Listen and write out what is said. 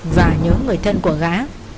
và nhớ người thân của gã